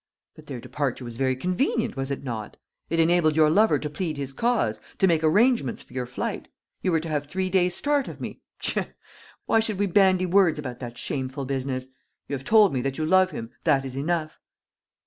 "But their departure was very convenient, was it not? It enabled your lover to plead his cause, to make arrangements for your flight. You were to have three days' start of me. Pshaw! why should we bandy words about the shameful business? You have told me that you love him that is enough."